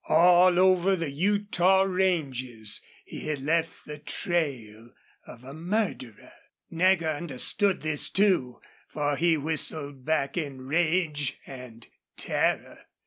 All over the Utah ranges he had left the trail of a murderer. Nagger understood this, too, for he whistled back in rage and terror.